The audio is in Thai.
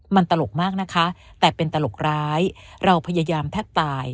มันตลกมากนะคะแต่เป็นตลกร้ายเราพยายามแทบตาย